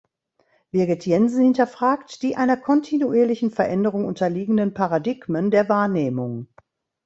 Birgit Jensen hinterfragt die einer kontinuierlichen Veränderung unterliegenden Paradigmen der Wahrnehmung.